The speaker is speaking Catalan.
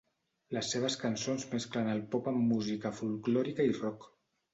Les seves cançons mesclen el pop amb música folklòrica i rock.